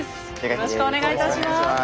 よろしくお願いします。